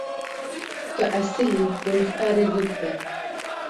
Tu esîlî, bi muxtarê gund be.